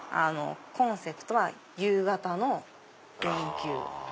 コンセプトは夕方の電球。